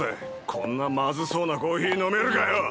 こんなまずそうなコーヒー飲めるかよ。